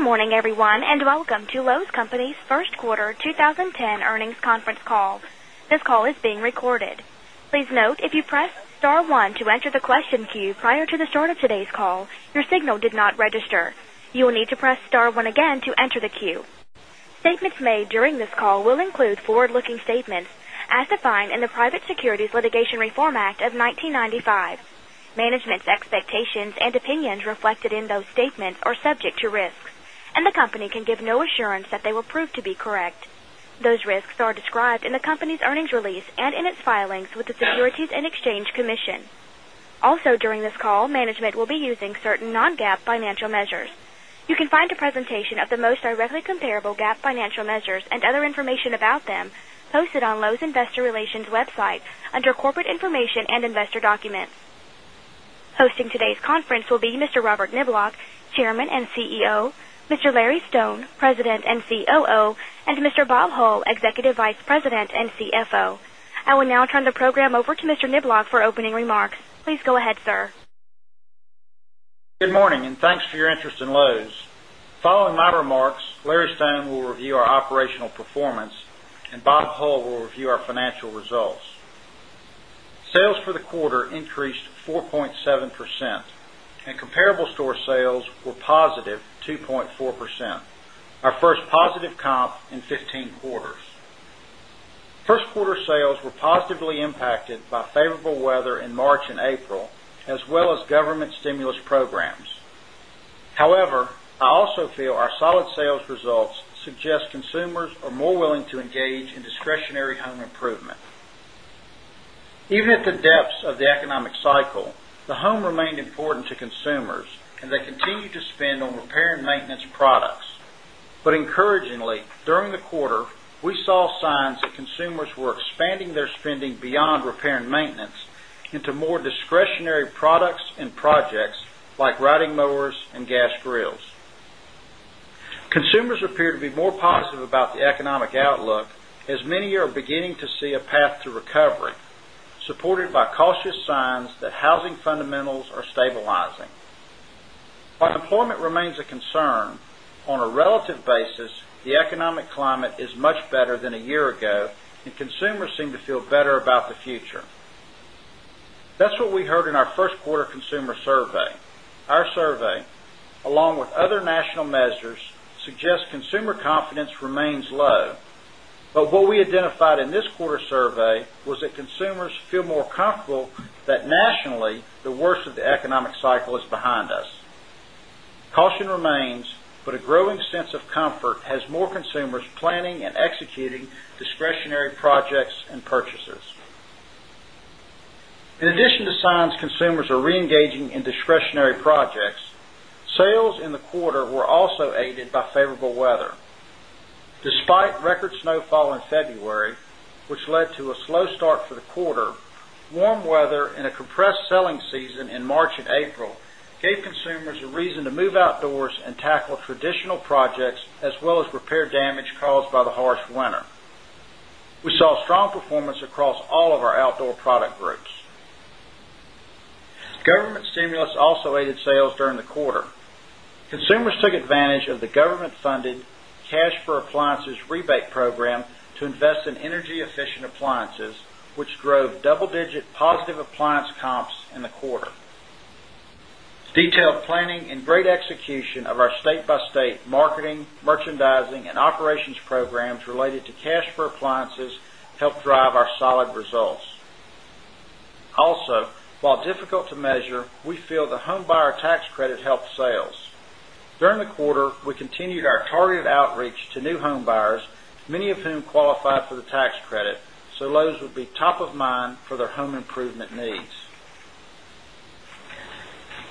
Good morning, everyone, and welcome to Loews Company's First Quarter 2010 Earnings Conference Call. This call is being recorded. Statements made during this call will include forward looking statements as defined in the Private Securities Litigation Reform Act of 1995. Management's expectations and opinions reflected in those statements are subject to risks, and the company can give no assurance that they will prove to be correct. Those risks are described in the company's earnings release and in its filings with the Securities and Exchange Commission. Also during this call, management will be certain non GAAP financial measures. You can find a presentation of the most directly comparable GAAP financial measures and other information about them posted on Loews' Investor Relations website under Corporate Information and Investor Documents. Hosting today's conference will be Mr. Robert Knibloc, Chairman and CEO Mr. Larry Stone, President and COO and Mr. Bob Hull, Executive Vice President and CFO. I will now turn the program over to Mr. Knibloc for opening Nibloc for opening remarks. Please go ahead, sir. Good morning, and thanks for your interest in Loews. Following my remarks, Larry Stone will review our operational performance and Bob Hull will review our financial results. Sales for the quarter increased 4.7 percent and comparable store sales were positive 2.4%, our first positive comp in 15 quarters. 1st quarter sales were positively impacted by favorable weather in March April as well as government stimulus programs. However, I also feel our solid sales results suggest consumers are more willing to engage in discretionary home improvement. Even at the improvement. Even at the depths of the economic cycle, the home remained important to consumers and they continue to spend on repair and maintenance products. But encouragingly, during the quarter, we saw signs that consumers were expanding their spending beyond repair and maintenance into more discretionary products and projects like riding mowers and gas grills. Consumers appear to be more positive about the economic outlook as many are appear to be more positive about the economic outlook as many are beginning to see a path to recovery, supported by cautious signs that housing fundamentals are stabilizing. While employment remains a concern, on a relative basis, the economic climate is much better than a year ago and consumers seem to feel better about the future. That's what we heard in our Q1 consumer survey. Our survey, along with other national measures, suggests consumer confidence remains low. But what we identified in this quarter survey was that consumers feel more comfortable that nationally, the worst of the economic cycle is behind us. Caution remains, but a growing sense of comfort has more consumers planning and executing discretionary projects and purchases. In addition to signs consumers are reengaging in discretionary projects, sales in the quarter were also aided by favorable weather. Despite record snowfall in February, which led to a slow start for the quarter, warm weather and a compressed selling season in March April gave consumers a reason to move outdoors and tackle traditional projects as well as repair damage caused by the harsh winter. We saw strong performance across all of our outdoor product groups. Government stimulus also aided sales during the quarter. Consumers took advantage of the government funded cash for appliances rebate program to invest in energy efficient appliances, which drove double digit positive appliance comps in the quarter. Detailed planning and great execution of our state by state marketing, merchandising and operations programs related to cash for appliances helped drive our solid results. Also, while difficult to measure, we feel the homebuyer tax credit helped sales. During the quarter, we continued targeted outreach to new homebuyers, many of whom qualify for the tax credit, so Lowe's would be top of mind for their home improvement needs.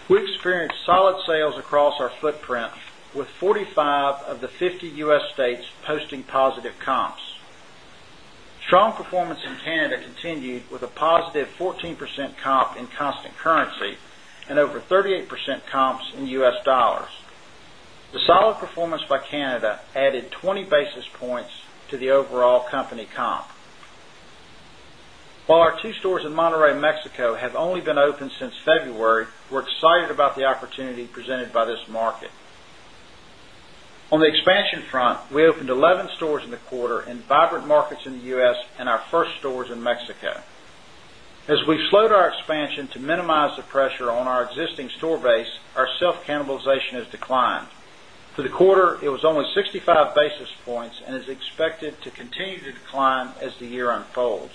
We experienced solid sales across our footprint with 40 of the 50 U. S. States posting positive comps. Strong performance in Canada continued with a positive 14% comp in constant currency and over 38% comps in U. S. Dollars. The solid performance by Canada added 20 basis points to the overall company comp. While our 2 stores in Monterrey, Mexico have only been open since February, we're excited about the opportunity presented by this market. On the expansion front, we opened 11 stores in the quarter in vibrant markets in the U. S. And our first stores in Mexico. As we've slowed our expansion to minimize the pressure on our existing store base, our self cannibalization has declined. For the quarter, it was almost 65 basis points and is expected to continue to decline as the year unfolds.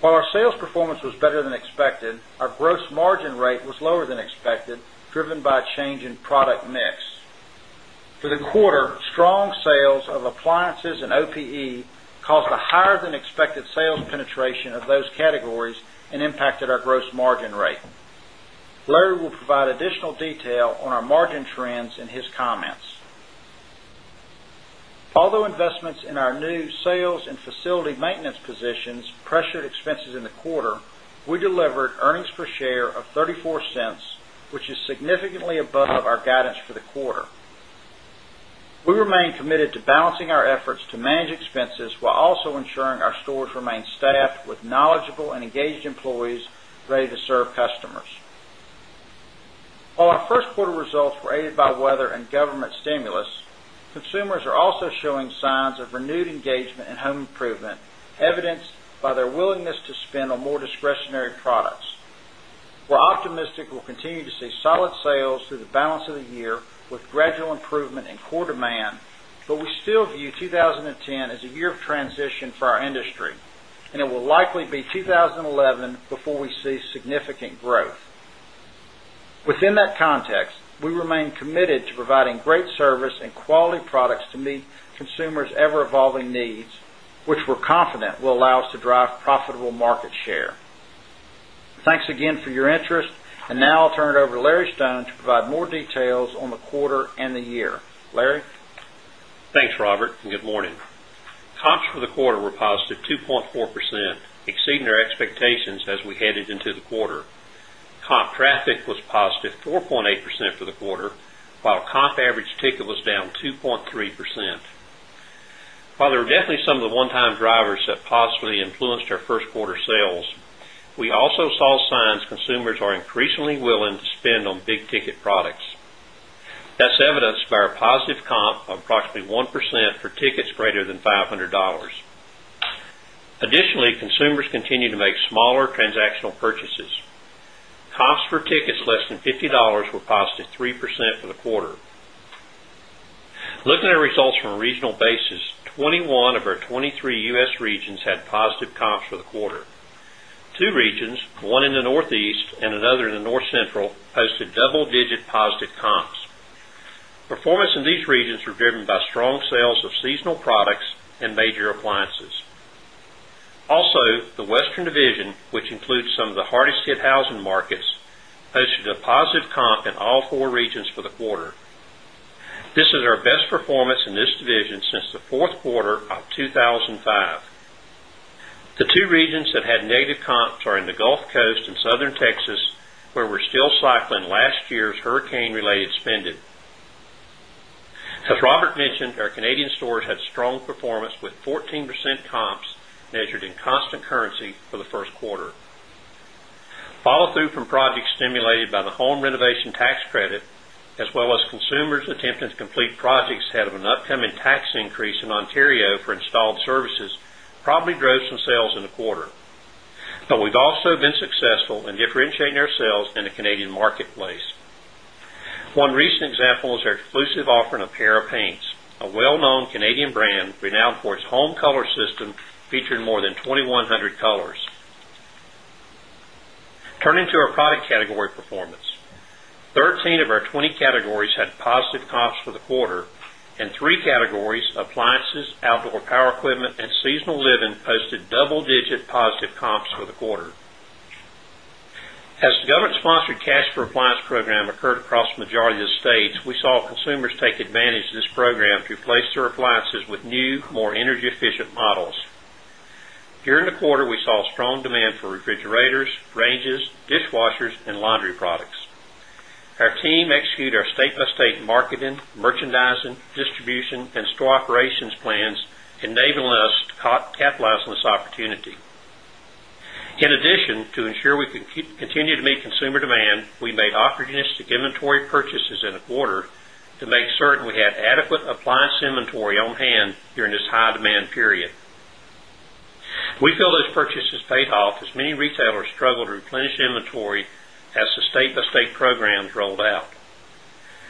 While our sales performance was While our sales performance was better than expected, our gross margin rate was lower than expected, driven by a change in product mix. For the quarter, strong sales of appliances and OPE caused a higher than expected sales penetration of those categories and impacted our gross margin rate. Larry will provide additional detail on our margin trends in his comments. Although investments in our new sales and facility maintenance positions pressured expenses in the quarter, we delivered earnings per share of $0.34 which is significantly above our guidance for the quarter. We remain committed to balancing our efforts to manage expenses, while also ensuring our stores remain staffed with knowledgeable and engaged employees ready to serve customers. While our first quarter results were aided by weather and government stimulus, consumers are also showing signs of renewed engagement in home improvement, evidenced by their willingness to spend on more discretionary products. We're optimistic we'll continue to see solid sales through the balance of the year with gradual improvement in core demand, but we still view 2010 as a year of transition for our industry, and it will likely be 2011 before we see significant growth. Within that context, we remain committed to providing great service and quality products to meet consumers' ever evolving needs, which we're confident will allow us to drive profitable market share. Thanks again for your interest. And now, I'll turn it over to Larry Stone to provide more details on the quarter and the year. Larry? Thanks, Robert, and good morning. Comps for the quarter were positive 2.4%, our expectations as we headed into the quarter. Comp traffic was positive 4.8% for the quarter, while comp average ticket was down 2.3%. While there were definitely some of one time drivers that possibly influenced our Q1 sales, we also saw signs consumers are increasingly willing to spend on big ticket products. That's evidenced by our positive comp of approximately 1% a positive comp of approximately 1% for tickets greater than $500 Additionally, consumers continue to make smaller transactional purchases. Comps for tickets less than $50 were positive 3% for the quarter. Looking at our results from a regional basis, 20 one of our 23 U. S. Regions had positive comps for the quarter. 2 regions, 1 in the Northeast and another in the North Central, posted double digit positive comps. Performance in these regions were driven by strong sales of seasonal products and major appliances. Also, the Western division, which includes some of the hardest hit housing markets, posted a positive comp in all four regions for the quarter. This is our best performance in this division since the Q4 of 2,005. The 2 regions that had negative comps are in the Gulf Coast and Southern Texas, where we're still cycling last year's hurricane related spending. As Robert mentioned, our Canadian stores had strong performance with 14% comps measured in constant currency for the Q1. Follow through from projects stimulated by the home renovation tax credit as well as consumers attempting to complete projects ahead of an upcoming tax increase in Ontario for installed services probably drove some sales in the quarter. But we've also been successful in differentiating our sales in the Canadian marketplace. One recent example is our exclusive offering of Para Paints, a well known Canadian brand renowned for its home color system featuring more than 2,100 colors. Turning to our product category performance, 13 of our 20 categories had positive comps for the quarter and 3 categories appliances, outdoor power equipment and seasonal living posted double digit positive comps for the quarter. As the government sponsored cash for appliance program occurred across majority of the states, we saw consumers take advantage of this program to replace their appliances with new more energy efficient models. During the quarter, we saw strong demand for refrigerators, ranges, dishwashers and laundry products. Our team executed our state by state marketing, merchandising, distribution and store operations plans, enabling us to capitalize on this opportunity. In addition, to ensure we continue to meet consumer demand, we made opportunistic inventory purchases in the quarter to make certain we had adequate appliance inventory on hand during this high demand period. We feel those purchases paid off as many retailers struggle to replenish inventory as the state by state programs rolled out.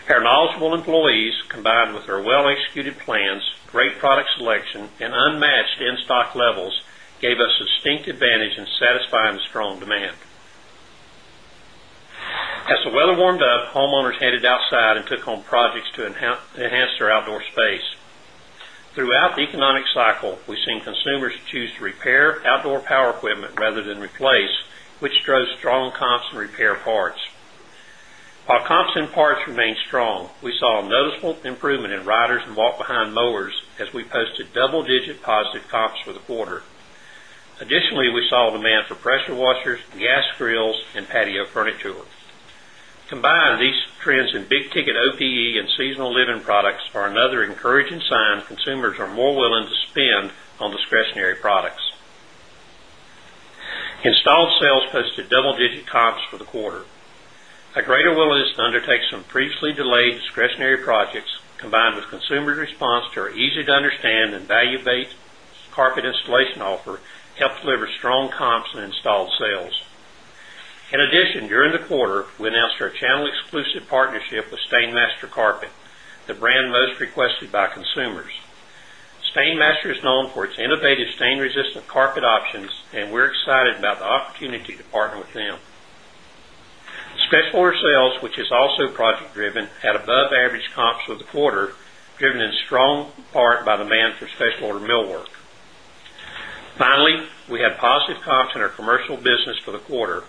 Our knowledgeable employees combined with our well executed plans, great product selection and unmatched in stock levels gave us a distinct advantage in satisfying the strong demand. As the weather warmed up, homeowners headed outside and took home projects to enhance their outdoor space. Throughout the economic cycle, we've seen consumers choose to repair outdoor power power equipment rather than replace, which drove strong comps and repair parts. While comps and parts remain strong, we saw a noticeable improvement in riders and walk behind mowers as we posted double digit positive comps for the quarter. Additionally, we saw demand for pressure washers, gas grills and patio furniture. Combined, these trends in big ticket OPE and seasonal living products are another encouraging sign consumers are more willing to spend on discretionary products. Installed sales posted double digit comps for the quarter. A greater willingness to undertake some previously delayed discretionary projects combined with consumer response to our easy understand and value based carpet installation offer helped deliver strong comps and installed sales. In addition, during the quarter, we announced our channel exclusive partnership with Stainmaster Carpet, the brand most requested by consumers. Stainmaster is known for its innovative stain resistant carpet options and we're excited about the opportunity to partner with them. Special order sales, which is also project driven, had above average comps for the quarter, driven in strong part by demand for special order millwork. Finally, we had positive comps in our commercial business for the quarter.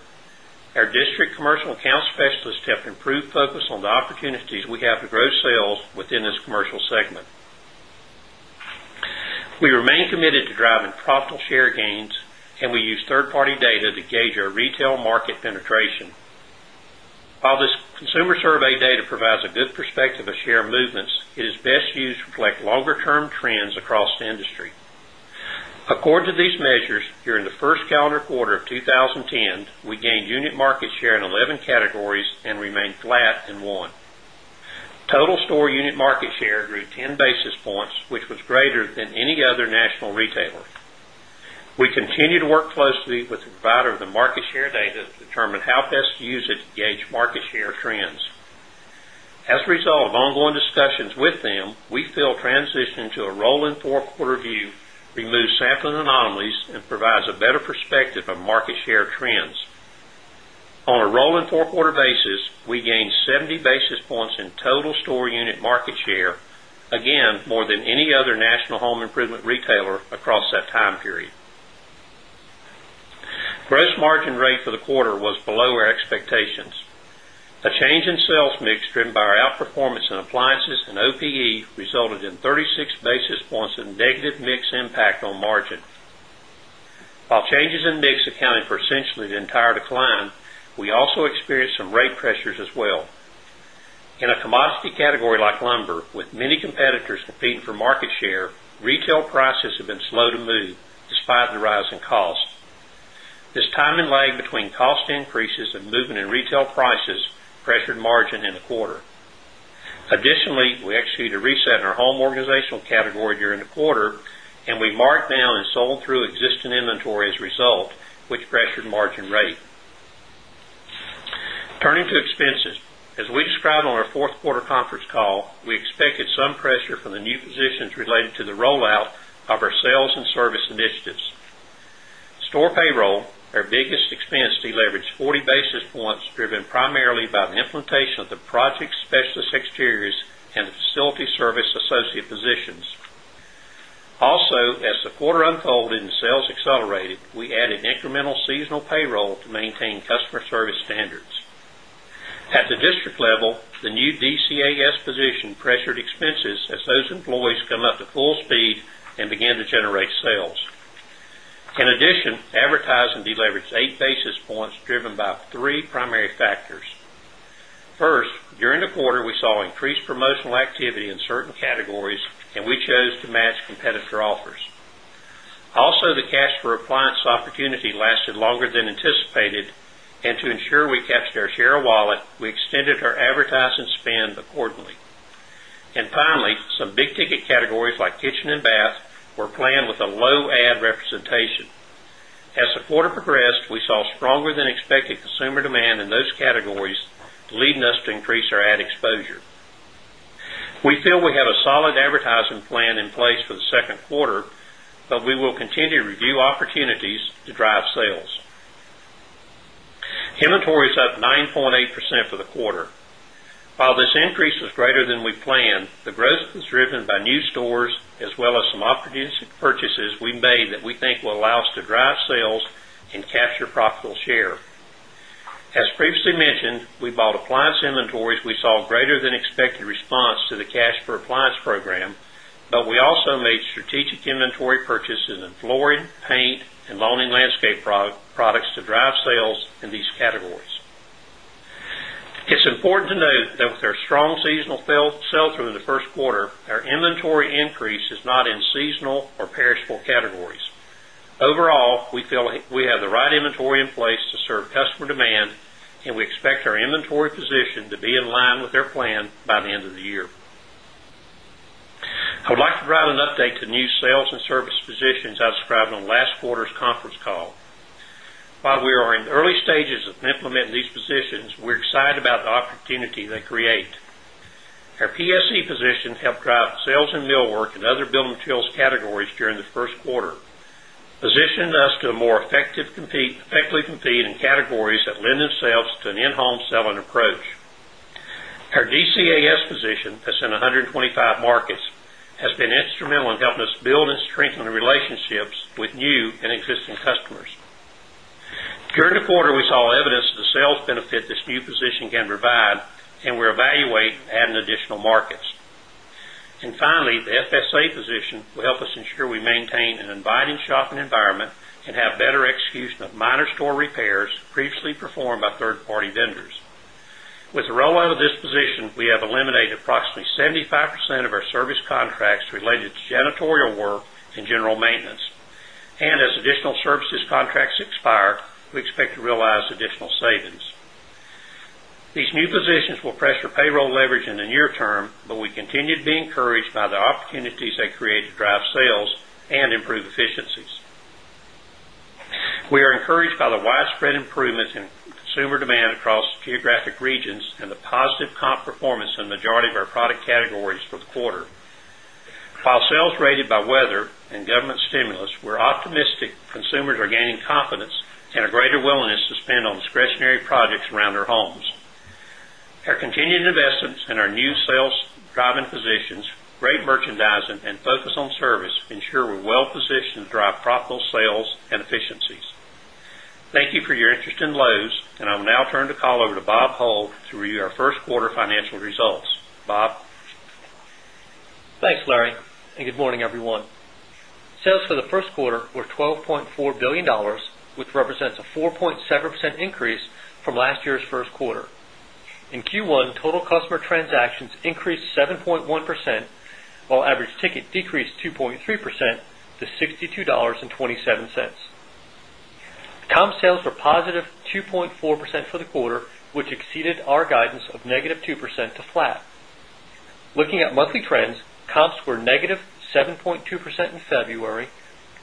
Our district commercial account specialists have improved focus on the opportunities we have to grow sales within this commercial segment. We remain committed to driving profitable share gains and we use third party data to gauge our retail market penetration. While this consumer survey data provides a good perspective of movements, it is best used to reflect longer term trends across the industry. According to these measures, during the Q1 of 2010, we gained unit market share in 11 categories and remained flat in 1. Total store unit market share grew 10 basis points, which was greater than any other national retailer. We continue to work closely with the provider of the market share data to determine how best to use it to gauge market share trends. As a result of ongoing discussions with them, we feel transition to a rolling 4 quarter view removes sampling anomalies and provides a better perspective of market share trends. On a rolling 4 quarter basis, we gained 70 basis points in total store unit market share, again more than any other national home improvement retailer across that time period. Gross margin rate for the quarter was below our expectations. A change in sales mix driven by our outperformance in appliances and OPE resulted in 36 basis points of negative mix impact on margin. While changes in mix accounted for essentially the entire decline, we also experienced some rate pressures as well. In a commodity category like lumber with many competitors competing for market share, retail prices have been slow to move despite the rising cost. This time and lag between cost increases and movement in retail prices pressured margin in the quarter. Additionally, we executed a reset in our home organizational category during the quarter and we marked down and sold through existing inventory as a result, which pressured margin rate. Turning to expenses, as we described on our Q4 conference call, we expected some pressure from the new positions related to the rollout of our sales and service initiatives. Store payroll, our biggest expense, deleveraged 40 basis points, driven primarily by the implementation of the project specialist exteriors and the facility service associate positions. Also, as the quarter unfolded and sales accelerated, we added incremental seasonal payroll to maintain customer service standards. At the district level, the new DCAS position pressured expenses as those employees come up to full speed and begin to generate sales. In addition, advertising deleveraged 8 basis points driven by 3 primary factors. 1st, during the quarter, we saw increased promotional activity in certain categories and we chose to match competitor offers. Also, the cash for for appliance opportunity lasted longer than anticipated and to ensure we captured our share of wallet, we extended our advertising spend accordingly. And finally, some big ticket categories like kitchen and bath were planned with a low ad representation. As the quarter progressed, we saw stronger than expected consumer demand in those categories, leading us to increase our ad exposure. We feel we have ad exposure. We feel we have a solid advertising plan in place for the Q2, but we will continue to review opportunities to drive sales. Inventory is up 9.8% for the quarter. While this increase is greater than we planned, the growth was driven by new stores as well as some opportunistic purchases we made that we think will allow us to drive sales and capture profitable share. As previously mentioned, we bought appliance inventories, we saw greater than expected response to the cash for appliance program, but we also made strategic inventory purchases in flooring, paint and lawn and landscape products to drive sales in these categories. It's important to note that with our strong seasonal sell through in the Q1, our inventory increase is not in seasonal or perishable categories. Overall, we feel we have the right inventory in place to serve customer demand and we expect our inventory position to be in line with their plan by the end of the year. I would like to provide an update to new sales and service positions I described on last quarter's conference call. While we are in the early stages of implementing these positions, we're excited about the opportunity they create. Our PSC position helped drive sales in millwork and other build materials categories during the Q1, positioned us to a more effective compete effectively compete in categories that lend themselves to an home selling approach. Our DCAS position that's in 125 markets has been instrumental in helping us build and strengthen relationships with new and existing customers. During the quarter, we saw evidence of the sales benefit this new position can provide and we evaluate adding additional markets. And finally, the FSA position will help us ensure we maintain an inviting shopping environment and have better execution of minor store repairs previously performed by 3rd party vendors. With the rollout of disposition, we have eliminated approximately 75% of our service contracts related to janitorial work and general maintenance. And as additional services contracts expire, expire, we expect to realize additional savings. These new positions will pressure payroll leverage in the near term, but we continue to be encouraged by the opportunities they create to drive sales and improve efficiencies. We are encouraged by the widespread improvement in consumer demand across geographic regions and the positive comp performance in majority of our product categories for the quarter. While sales rated by weather and government stimulus, we're optimistic consumers are gaining confidence and greater willingness to spend on discretionary projects around their homes. Our continued investments in our new sales driving positions, great merchandising and focus on service ensure we're well positioned to drive profitable sales and efficiencies. Thank you for your interest in Loews and I will now turn the call over to Bob Hull to review our Q1 financial results. Bob? Thanks, Larry and good morning everyone. Sales for the Q1 were $12,400,000,000 which represents a 4.7% increase from last year's Q1. In Q1, total customer transactions increased 7.1%, while average ticket decreased 2.3% $62.27 Comp sales were positive 2.4 percent for the quarter, which exceeded our guidance of negative 2% to flat. Looking at monthly trends, comps were negative 7.2% in February,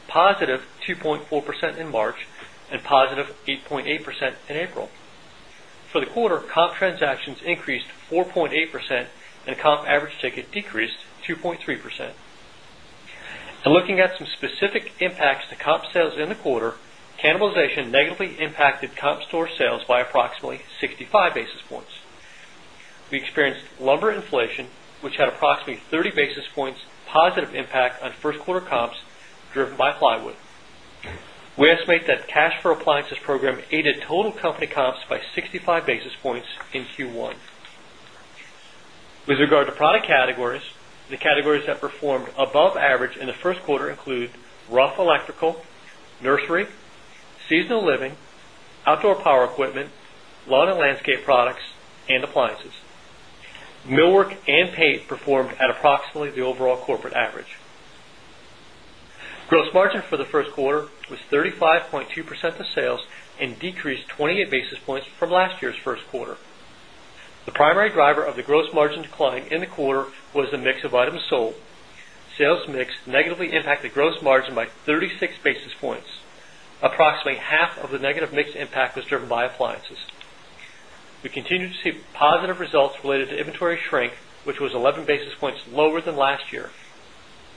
positive 2.4% in March and positive 8.8% in April. For the quarter, comp transactions increased 4.8% and comp average ticket decreased 2.3%. And looking at some specific impacts to comp sales in the quarter, cannibalization negatively impacted comp store sales by approximately 65 basis points. We experienced lumber inflation, which had approximately 30 basis points positive impact on 1st quarter comps driven by plywood. We estimate that cash for appliances program aided total company comps by 65 basis points in Q1. With regard to product categories, With regard to product categories, the categories that performed above average in the Q1 include rough electrical, nursery, seasonal living, outdoor power equipment, lawn and landscape products and appliances. Millwork and paint performed at approximately the overall corporate average. Gross margin for the Q1 was 35.2 percent of sales and decreased 28 basis points from last year's Q1. The primary driver of the gross margin decline the quarter was the mix of items sold. Sales mix negatively impacted gross margin by 36 basis points. Approximately half of the negative mix impact was driven by appliances. We continue to see positive results related to inventory shrink, which was 11 basis points lower than last year,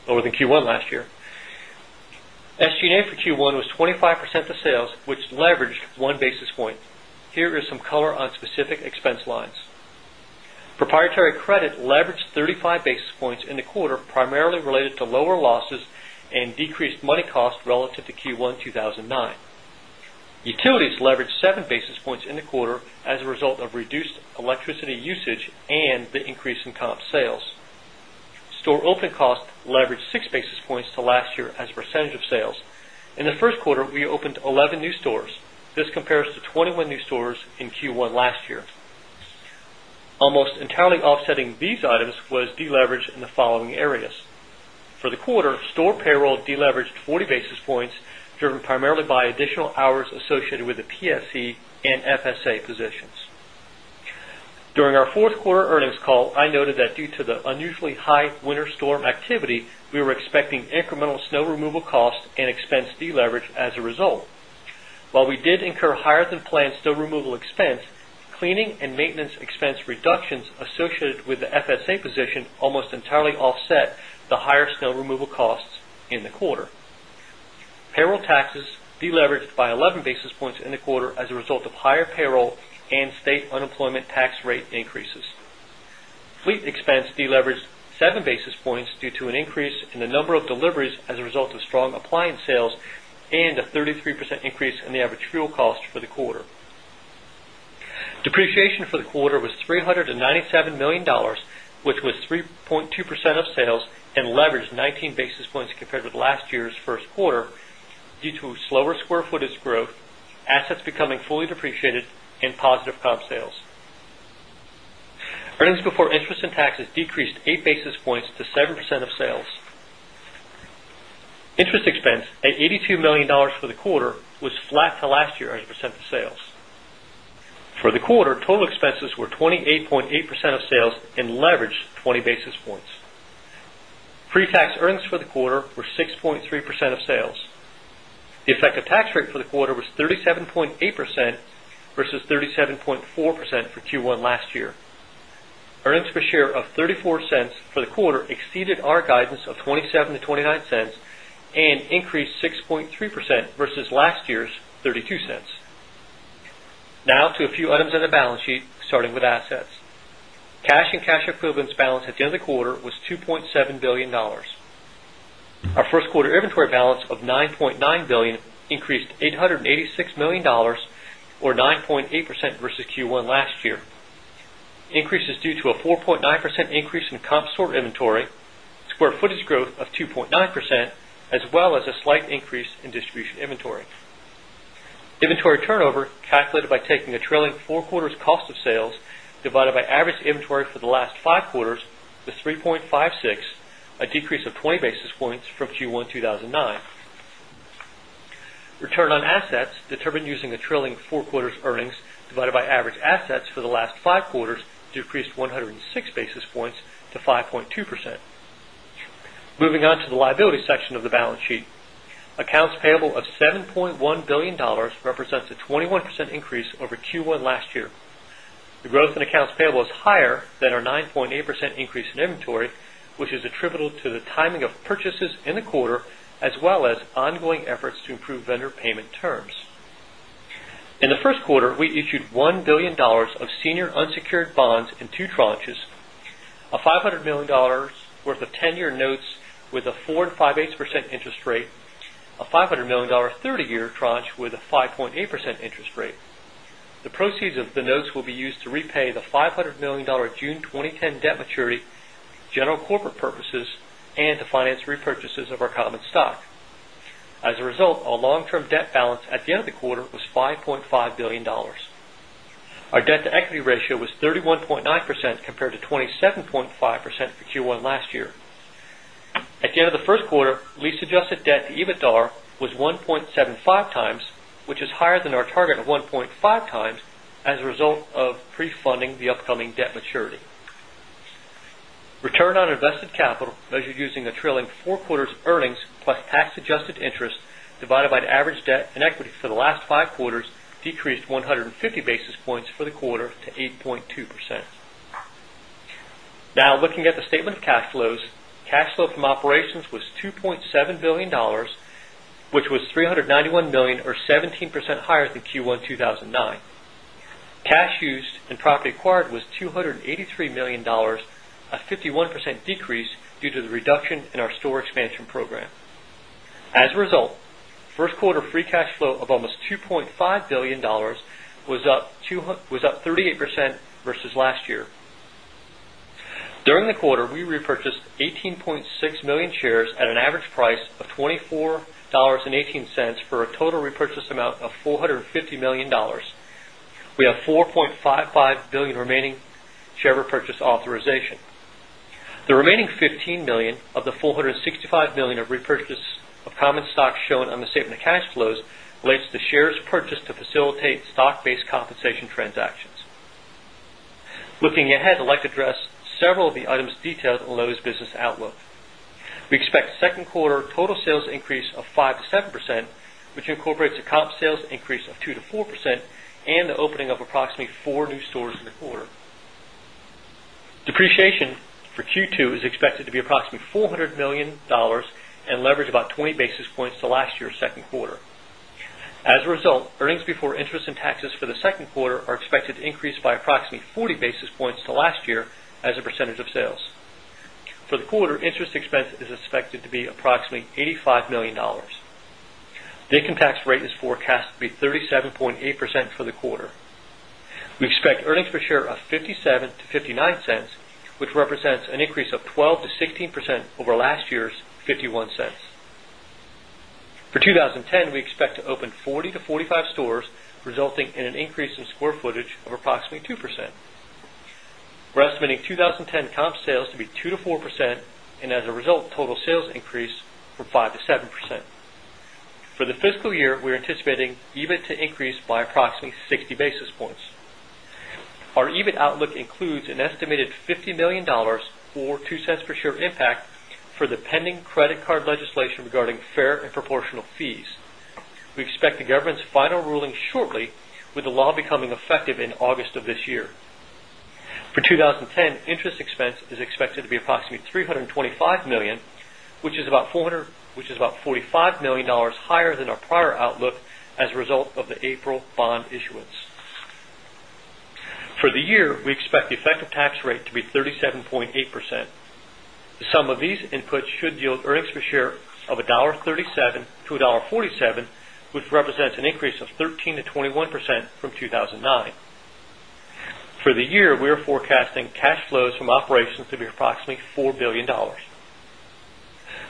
lower than Q1 last year. SG and A for Q1 was 25% of sales, which leveraged 1 basis point. Here is some color on specific expense lines. Proprietary credit leverage 35 basis points in the quarter, primarily related to lower losses and decreased money cost relative to Q1, 2009. Utilities leverage 7 basis points in the quarter as a result of reduced electricity usage and the increase in comp sales. Store open cost leveraged 6 basis points to last year as a percentage of sales. In the Q1, we opened 11 new stores. This compares to 21 new stores in Q1 last year. Almost entirely offsetting these items was deleverage in the following areas. For the quarter, store payroll deleveraged 40 basis points, driven primarily by additional hours associated with the PSC and FSA positions. During our Q4 earnings call, I noted that due to the unusually high winter storm activity, we were expecting incremental snow removal costs and expense deleverage as a result. While we did incur higher than planned snow removal expense, cleaning and maintenance expense reductions associated with the FSA position almost entirely offset the higher snow removal costs in the quarter. Payroll taxes deleveraged by 11 basis points in the quarter as a result of higher payroll and state unemployment tax rate increases. Fleet expense deleveraged 7 basis points due to an increase in the number of deliveries as a result of strong appliance sales and a 33% increase in the average fuel cost for the quarter. Depreciation for the quarter was $397,000,000 which was 3.2% of sales and leveraged 19 basis points compared with last year's Q1 due to slower square footage growth, assets becoming fully depreciated and positive comp sales. Earnings before interest and taxes decreased 8 basis points to 7% of sales. Interest expense at $82,000,000 for the quarter was flat to last year as a percent of sales. For the quarter, total expenses were 28.8 percent of sales and leveraged 20 basis points. Pre tax earnings for the quarter were 6.3 percent of sales. The The effective tax rate for the quarter was 37.8 percent versus 37.4 percent for Q1 last year. Earnings per share of $0.34 for the quarter exceeded our guidance of $0.27 to $0.29 and increased 6.3% versus last year's $0.32 Now to a few items on the balance sheet starting with assets. Cash and cash equivalents balance at the end of the quarter was $2,700,000,000 Our first quarter inventory balance of $9,900,000,000 increased $886,000,000 or 9.8% versus Q1 last year. The increase is due to a 4.9% increase in comp store inventory, square footage growth of 2 point 9%, as well as a slight increase in distribution inventory. Inventory turnover calculated by taking a trailing 4 quarters cost of sales divided by average inventory for the last 5 quarters was 3 point 56, a decrease of 20 basis points from Q1, 2009. Return on assets determined using the trailing 4 quarters earnings divided by average assets for the last 5 quarters decreased 106 basis points to 5.2%. Moving on to the liability section of the balance sheet. Accounts payable of $7,100,000,000 represents a 21% increase over Q1 last year. The growth in accounts payable is higher than our 9.8% increase in inventory, which is attributable to the timing of purchases in the quarter, as well as ongoing efforts to improve vendor payment terms. In the Q1, we issued $1,000,000,000 of senior unsecured bonds in 2 tranches, a $500,000,000 worth of 10 year notes with a 4.5 percent interest rate, a $500,000,000 30 year tranche with a 5.8 percent interest rate. The proceeds of the notes will be used to repay the $500,000,000 June 20 10 debt maturity, general corporate purposes and to finance repurchases of our common stock. As a result, our long term debt balance at the end of the quarter was $5,500,000,000 Our debt to equity ratio was 31.9% compared to 27.5 percent for Q1 last year. At the end of the Q1, lease adjusted debt to EBITDAR was 1.75 times, which is higher than our target of 1.5 times as a result prefunding the upcoming debt maturity. Return on invested capital measured using a trailing 4 quarters earnings plus tax adjusted interest divided by the average debt and equity for the last 5 quarters decreased 150 basis points for the quarter to 8.2%. Now looking at the statement of cash flows, cash flow from operations was $2,700,000,000 which was $391,000,000 or 17 percent higher than Q1, 2009. Cash used and property acquired was $283,000,000 a 51% decrease due to the reduction in our store expansion program. As a result, 1st quarter free cash flow of almost 2.5 $1,000,000,000 was up 38% versus last year. During the quarter, we repurchased 18,600,000 shares at an average price of $24.18 for a total repurchase amount of $450,000,000 We have 4,550,000,000 remaining share repurchase authorization. The remaining 15,000,000 of the 465,000,000 of repurchase of common stock shown on the statement of cash flows relates to shares purchased to facilitate stock based compensation transactions. Looking ahead, I'd like to address several of the items detailed in Loews business outlook. We 2nd quarter total sales increase of 5% to 7%, which incorporates a comp sales increase of 2% to 4% and the opening of approximately 4 new stores in the quarter. Depreciation for Q2 is expected to be approximately $400,000,000 and leverage about 20 basis points to last year's Q2. As a result, earnings before interest and taxes for the Q2 are expected to increase by approximately 40 basis points to last year as a percentage of sales. For the quarter, interest expense is expected to be approximately $85,000,000 The income tax rate is forecast to be 37.8 percent for the quarter. We expect earnings per share of $0.57 to $0.59 which represents an increase of 12% to 16% over last year's $0.51 For 2010, we expect to open 40 to 45 stores, resulting in an increase in square footage of approximately 2%. We're estimating 20 10 comp sales to be 2% to 4% and as a result total sales increase from 5% to 7%. For the fiscal year, we're anticipating EBIT to increase by approximately 60 basis points. Our EBIT outlook includes an estimated $50,000,000 or $0.02 per share impact for the pending credit card legislation regarding fair and proportional fees. We expect the government's final ruling shortly with the law becoming effective in August of this year. For 2010, interest expense is expected to be approximately $325,000,000 which is about $45,000,000 higher than our prior outlook as a result of the April bond issuance. For the year, we expect the effective tax rate to be 37.8 percent. Some of these inputs should yield earnings per share of $1.37 to $1.47 which represents an increase of 13 percent from 2,009. For the year, we are forecasting cash flows from operations to be approximately $4,000,000,000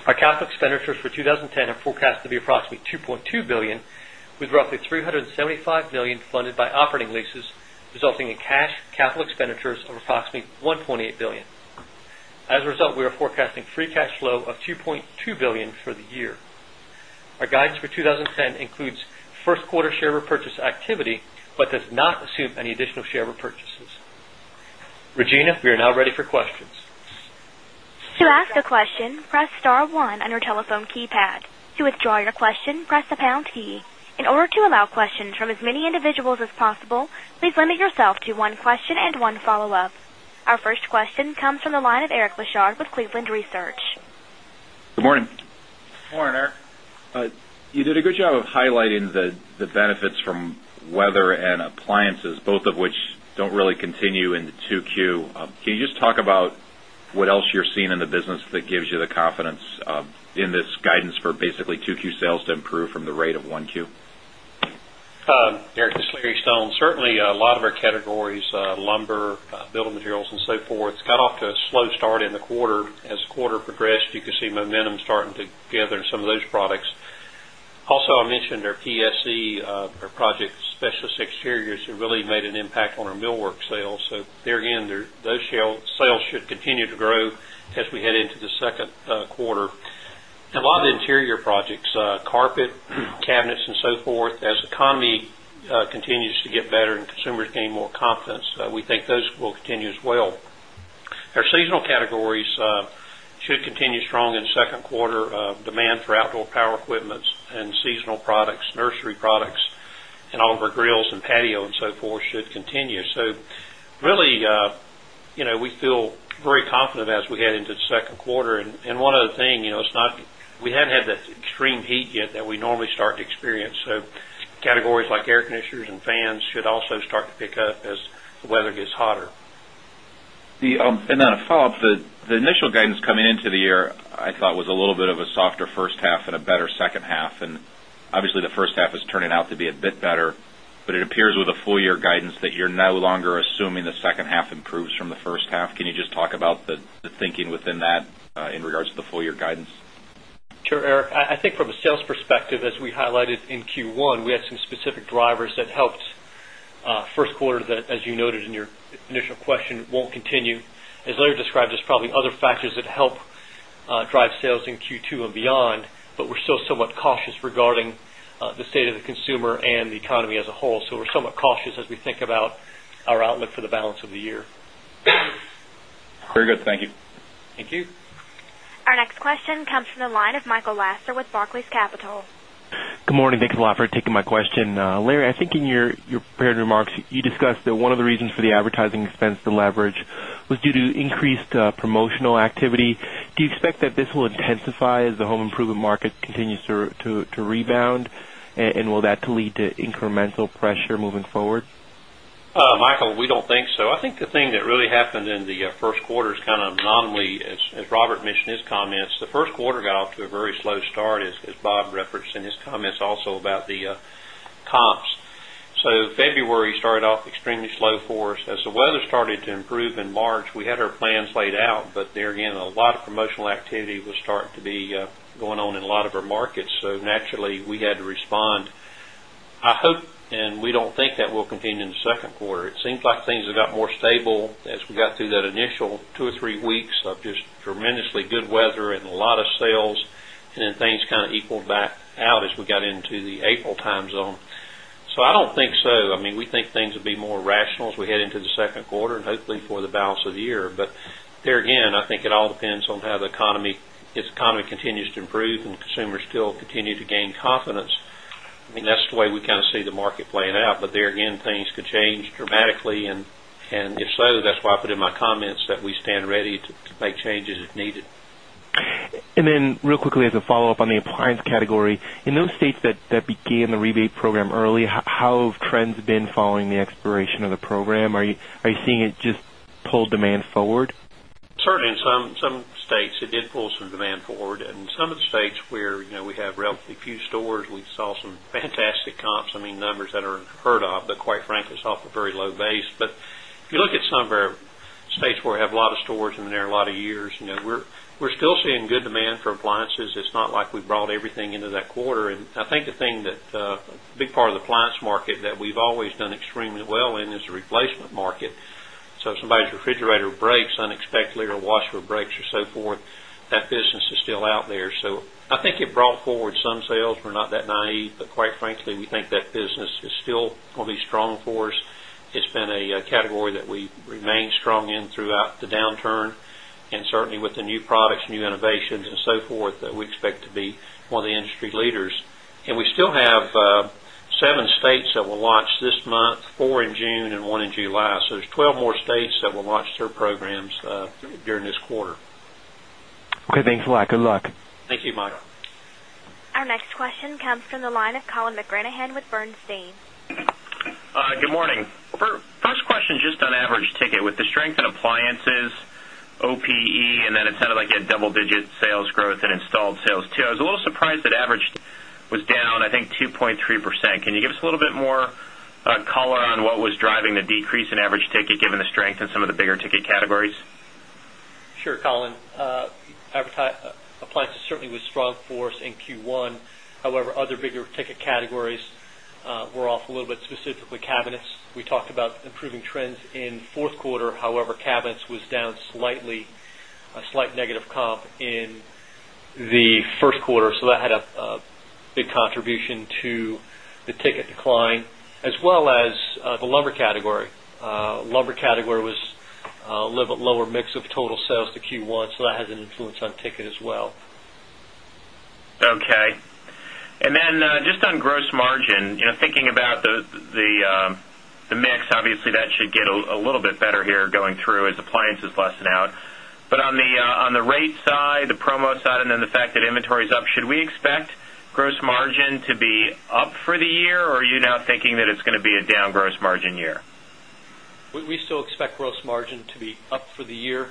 Our capital expenditures for 2010 are forecast to be approximately 2 point $2,000,000,000 with roughly $375,000,000 funded by operating leases, resulting in cash capital expenditures of approximately $1,800,000,000 As a result, we are forecasting free cash flow of $2,200,000,000 for the year. Our guidance for 20.10 10 includes Q1 share repurchase activity, but does not assume any additional share repurchases. Regina, we are now ready for questions. Our first question comes from the line of Eric Leshard with Cleveland Research. Good morning. Good morning, Eric. You did a good job of highlighting the benefits from weather and appliances, both of which don't really continue into 2Q. Can you just talk about what else you're seeing in the business that gives you the confidence in this guidance for basically 2Q sales to improve from the rate of 1Q? Yes, in this guidance for basically 2Q sales to improve from the rate of 1Q? Eric, this is Larry Stone. Certainly, a lot of our categories, lumber, building materials and so forth, got off to a slow start in the quarter. As quarter progressed, you could see momentum starting together in some of those products. Also, I mentioned our PSC, our Project Specialist Exteriors have really made an impact on our millwork sales. So, there again, those sales should continue to grow as we head into the Q2. And a lot of the interior projects, carpet, cabinets and so forth, as economy continues to get better and consumers gain more confidence, we think those will continue as well. Our seasonal categories should continue strong in the Q2. Demand for outdoor power equipments and seasonal products, nursery products and all of our grills and patio and so forth should continue. So really, we feel very confident as we head into the Q2. And one other thing, it's not we haven't had that extreme heat yet that we normally start to experience. So categories like air conditioners and fans should also start to pick up as the weather gets hotter. And then a follow-up, the initial guidance coming into the year, I thought was a little bit of a softer first half and a better second half. And obviously, the first half is turning out to be a bit better, but it appears with the full year guidance that you're no longer assuming the second half improves from the first half. Can you just talk about the thinking within that in regards to the full year guidance? Sure, Eric. I think from a sales perspective, as we highlighted in Q1, we had some specific drivers that helped 1st quarter that, as you noted in your initial question won't continue. As Larry described, there's probably other factors that help drive sales in Q2 and beyond, but we're still somewhat cautious regarding the state of the consumer and the economy as a whole. So we're somewhat cautious as we think about our outlook for the balance of the year. Very good. Thank you. Thank you. Our next question comes from the line of Michael Lasser with Barclays Capital. Good morning. Thanks a lot for taking my Larry, I think in your prepared remarks, you discussed that one of the reasons for the advertising expense to leverage was due to increased promotional activity. Do you expect that this will intensify as the home improvement market continues to rebound and will that lead to incremental pressure moving forward? Michael, we don't think so. I think the thing that really happened in the Q1 is kind of nominally, as Robert mentioned in his comments, the Q1 got off to a very slow start as Bob referenced in his comments also about the comps. So February started off extremely slow for us. As the weather started to improve in March, we had our plans laid out, but there again a lot of promotional activity will start to be going on in a lot of our markets. So naturally we had to respond. I hope and we don't think that will continue in the Q2. It seems like things have got more stable as we got through that initial 2 or 3 weeks of just tremendously good weather and a lot of sales and then things kind of equaled back out as we got into the April time zone. So I don't think so. I mean, we think things would be more rational as we head into the Q2 and hopefully for the balance of the year. But there again, I think it all depends on how the economy, its economy continues to improve and consumers still continue to gain confidence. I mean, that's the way we kind of see the market playing out, but there again things could change dramatically and if so that's why I put in my comments that we stand ready to make changes if needed. And then real quickly as a follow-up on the appliance category, in those states that began the rebate program early, how trends have been following the expiration of the program? Are you seeing it just pull demand forward? Certainly, in some states, it did pull some demand forward. In some of the states where we have relatively few stores, we saw some fantastic comps, I mean, numbers that are unheard of, but quite frankly, it's off a very low base. But if you look at some of our states where we have a lot of stores in there a lot of years, we're still seeing good demand for appliances. It's not like we brought everything into that quarter. And I think the thing that a big part of the appliance market that we've always done extremely well in is the replacement market. So if somebody's refrigerator breaks unexpectedly or washer breaks or so forth, that business is still out there. I think it brought forward some sales. We're not that naive, but quite frankly, we think that business is still going to be strong for us. It's been a category that we remain strong in throughout the downturn and certainly with the new products, new innovations and so forth that we expect to be one of the industry leaders. And we still have 7 states that will launch this month, 4 in June and 1 in July. So there's 12 more states that will launch their programs during this quarter. Okay. Thanks a lot. Good luck. Thank you, Mike. Our next question comes from the line of Colin McGranahan with Bernstein. Good morning. First question just on average ticket with the strength in appliances, OPE and then it sounded like a double digit sales growth in installed sales too. I was a little surprised that average was down I think 2.3%. Can you give us a little bit more color on what was driving the decrease in average ticket given the strength in some of the bigger ticket categories? Sure, Collin. Appliances certainly was strong for us in Q1. However, other bigger ticket categories were off a little bit, specifically cabinets. We talked about improving trends in Q4. Quarter. However, cabinets was down slightly, a slight negative comp in the Q1. So that had a big contribution to the ticket decline, as well as lumber category. Lumber category was a little bit lower mix of total sales to Q1, so that has an influence on ticket as well. Okay. And then just on gross margin, thinking about the mix, obviously that should get a little bit better here going through as appliances lessen out. But on the rate side, the promo side and then the fact that inventory is up, should we expect gross margin to be up for the year or are you now thinking that it's going to be a down gross margin year? We still expect gross margin to be up for the year.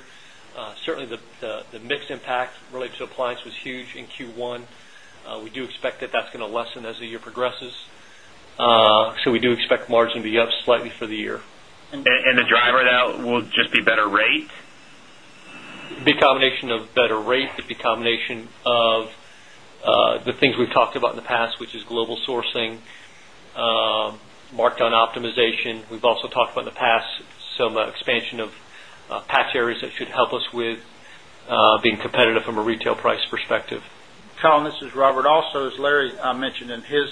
Certainly, the mix impact related to appliance was huge in Q1. We do expect that that's going to lessen as the year progresses. So we do expect margin to be up slightly for the year. And the driver of that will just be better rate? The combination of better rate, the combination of the things we've talked about in the past, which is global sourcing, markdown optimization. We've also talked about in the past some expansion of patch areas that should help us with being competitive from a retail price perspective. Collin, this is Robert. Also as Larry mentioned in his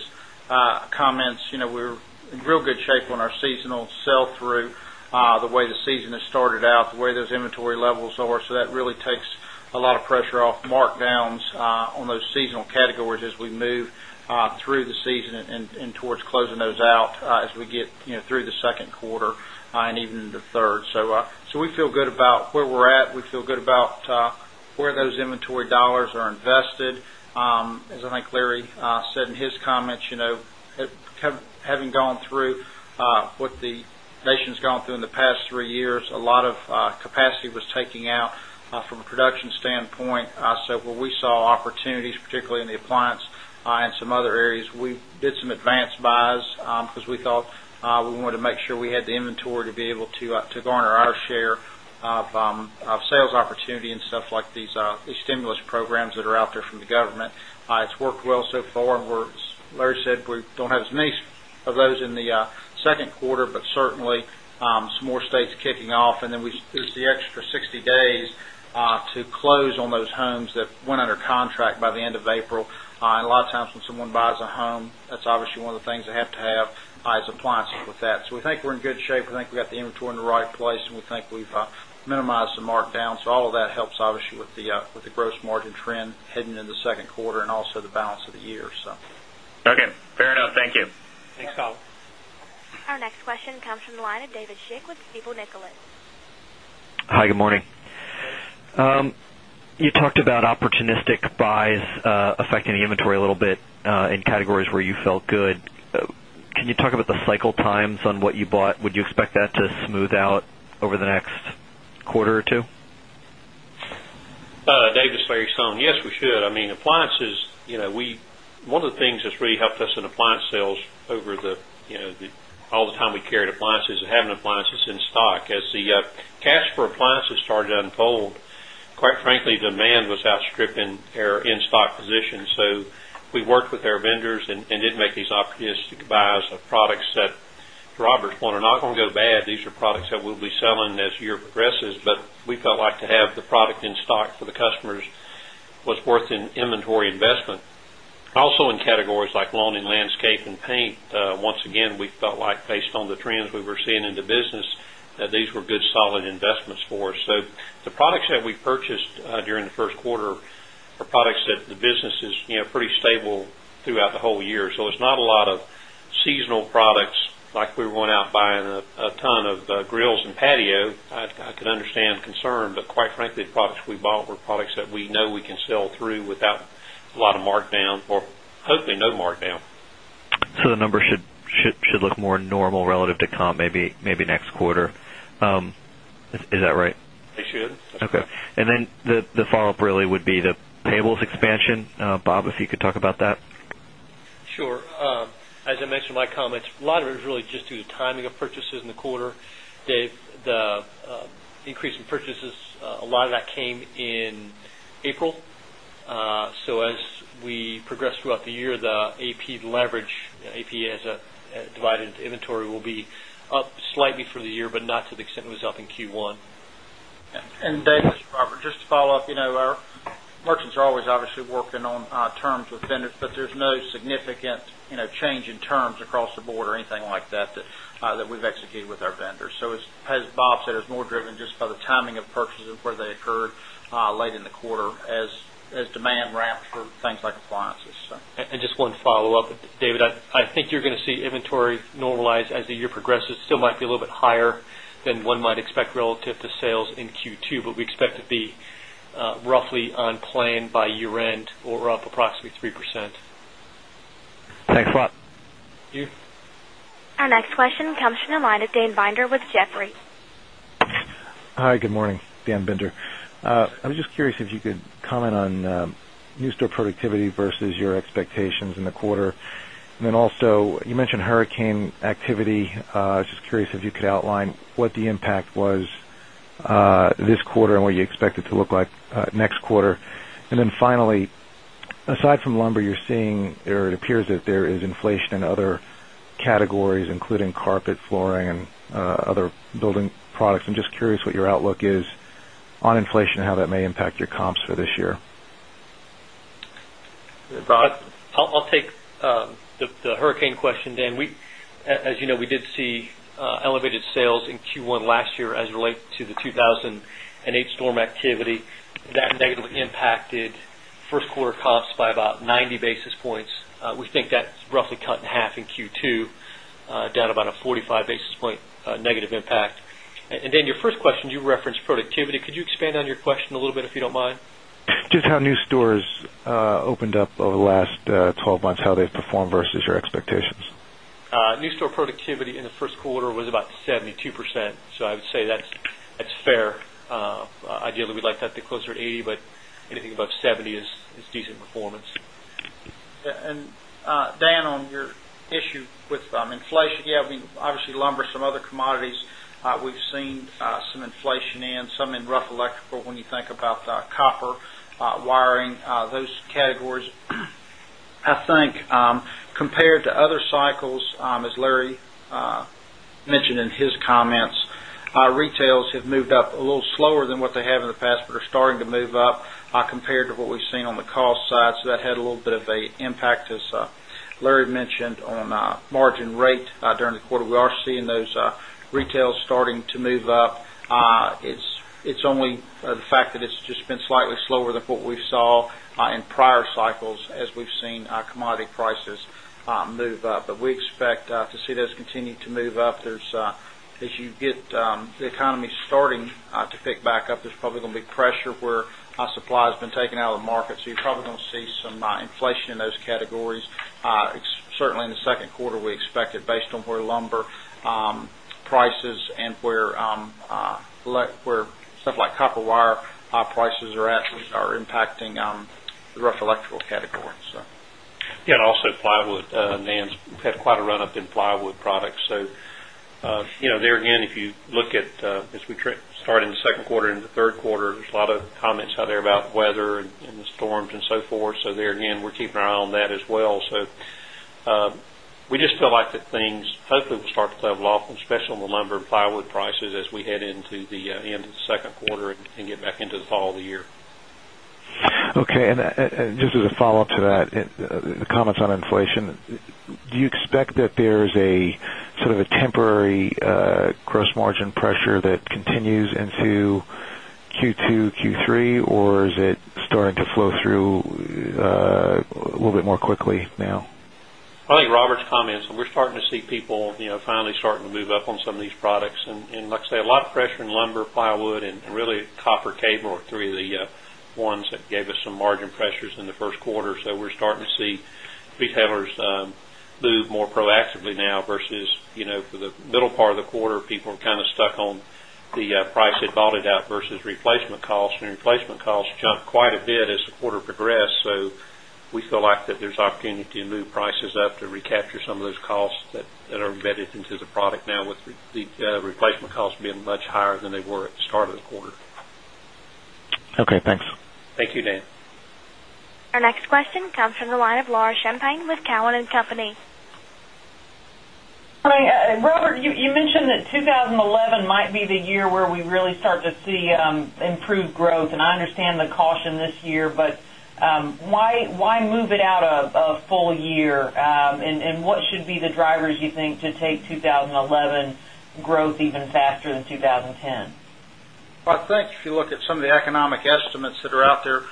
comments, we're in real good shape on our seasonal sell through, the way the season has started out, the way those inventory levels are. So that really takes a lot of pressure off markdowns on those seasonal categories as we move through the season and towards closing those out as we get through the Q2 and even the 3rd. So, we feel good about where we're at. We feel good about where those inventory dollars are invested. As I think Larry said in his comments, having gone through what the nation has gone through in the past 3 years, a lot of capacity was taking out from a production standpoint. So, where we saw opportunities, particularly in the appliance and some other areas, we did some advanced buys because we thought we want to make sure we had the inventory to be able to garner our share of sales opportunity and stuff like these stimulus programs that are out there from the government. It's worked well so far and we're as Larry as Larry said, we don't have as many of those in the Q2, but certainly some more states kicking off and then we use the extra 60 days to close on those homes that went under contract by the end of April. And a lot of times when someone buys a home, that's obviously one of the things they have to have is appliances with that. So we think we're in good shape. I think we've got the inventory in the right place and we think we've minimized the markdowns. So all of that helps obviously with the gross margin trend heading into the Q2 and also the balance of the year. Okay, fair enough. Thank you. Thanks, Kyle. Our next question comes from the line of David Schick with Stifel Nicolaus. Hi, good morning. You talked about opportunistic buys affecting the inventory a little bit in categories where you felt good. Can you talk about the cycle times on what you bought? Would you expect that to smooth out over the next quarter or 2? Dave, it's Larry Song. Yes, we should. I mean appliances, we one of the things that's really helped us in appliance sales over the all the time we carried appliances and having appliances in stock as the cash for appliances started to unfold, quite frankly demand was outstripping our in stock position. So, we worked with our vendors and didn't make these opportunistic buys of products that drivers want to not go bad. These are products that we'll be selling as year progresses, but we felt like to have the product in stock for the customers was worth inventory investment. Also in categories like lawn and landscape and paint, once again, we felt like based on the trends we were seeing in the business, these were good solid investments for us. So the products that we purchased during the Q1 are products that the business is pretty stable throughout the whole year. So it's not a lot of seasonal products like we went out buying a ton of grills and patio. I can understand concern, but quite frankly the products we bought were products that we know we can sell through without a lot of markdown or hopefully no markdown. So the number should look more normal relative to comp maybe next quarter. Is that right? It should. Okay. And then the follow-up really would be the payables expansion. Bob, if you could talk about that? Sure. As I mentioned in my comments, a lot of it is really just due to timing of purchase in the quarter. Dave, the increase in purchases, a lot of that came in April. So as we progress throughout the year, the AP leverage, AP as a divided inventory will be up slightly for the year, but not to the extent it was up in Q1. And Dave, this is Robert. Just to follow-up, our merchants are always obviously working on terms with vendors, but there's no no significant change in terms across the board or anything like that, that we've executed with our vendors. So as Bob said, it's more driven just by the timing of purchases where they occurred late in the quarter as demand ramps for things like appliances. And just one follow-up, David. I think you're going to see inventory normalize as the year progresses, still might be a little bit higher than one might expect relative to sales in Q2, but we expect to be roughly on plan by year end or up approximately 3 %. Thanks a lot. Thank you. Our next question comes from the line of Dan Binder with Jefferies. Hi, good morning. Dan Binder. I was just curious if you could comment on new store productivity versus your expectations in the quarter? And then also you mentioned hurricane activity. Just curious if you could outline what the impact was this quarter and what you expect it to look like next quarter? And then finally, aside from lumber you're seeing or it appears that there is inflation in other categories including carpet, flooring and other building products. I'm just curious what your outlook is on inflation and how that may impact your comps for this year? Bob, I'll take the hurricane question, Dan. As you know, we did see elevated sales in Q1 last year as it relates to the 2,008 storm activity that negatively impacted 1st quarter comps by about 90 basis points. We think that's roughly cut in half in Q2, down about a 45 basis point negative impact. And then your first question, you referenced productivity. Could you expand on your question a little bit, if you don't mind? Just how new stores opened up over the last 12 months, how they've performed versus your expectations? New store productivity in the Q1 was about 72%. So I would say that's fair. Ideally, we'd like that to closer to 80%, but anything above 70% is decent performance. And Dan, on your issue with inflation, yes, I mean, obviously, lumber, some other commodities, we've seen some inflation in, some in rough electrical when you think about the copper wiring, those categories. I think compared to other cycles, as Larry mentioned in his comments, our retails have moved up a little slower than what they have in the past, but are starting to move up compared to what we've seen on the cost side. So that a little bit of an impact as Larry mentioned on margin rate during the quarter. We are seeing those retails starting to move up. It's only the fact that it's just been slightly slower than what we saw in prior cycles as we've seen commodity prices move up. But we expect to see those continue to move up. There's as you get the economy starting to pick back up, there's probably going to be pressure where our supply has been taken out of the market. So you probably don't see some inflation in those categories. Certainly in the Q2, we expected based on where lumber prices and where stuff like copper wire prices are at are impacting the rough electrical category. Yes, and also plywood NANDs had quite a run up in plywood products. So there again, if you look at as we start in the Q2 and the Q3, there's a lot of comments out there about weather and the storms and so forth. So there again, we're keeping our eye on that as well. So we just feel like the things hopefully will start to level off, especially in the lumber and plywood prices as we head into the end of the second quarter and get back into the fall of the year. Okay. And just as a follow-up to that, the comments on inflation, do you expect that there is a sort of a temporary gross margin pressure that continues into Q2, Q3 or is it starting to flow through a little bit more quickly now? I think Robert's comments, we're starting to see people finally starting to move up on some of these products. And like I said, a lot of pressure in lumber, plywood and really copper cable are 3 of the ones that gave us some margin pressures in the Q1. So, we're starting to see retailers move more proactively now versus for the middle part of the quarter, people are kind of stuck on the price they bought it out versus replacement costs and replacement costs jumped quite a bit as the quarter progressed. So we feel like that there's opportunity to move prices up to recapture some of those costs that are embedded into the product now with the replacement cost being much higher than they were at the start of the quarter. Okay, thanks. Thank you, Dan. Our next question comes from the line of Laura Champagne with Cowen and Company. Robert, you mentioned that 2011 might be the year where we really start to see improved growth and I understand the caution this year, but why move it out of full year? And what should be the drivers you think to take 2011 growth even faster than 2010? I think if you look at some of the economic estimates that are out there,